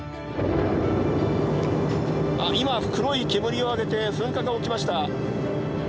「あっ今黒い煙を上げて噴火が起きました」。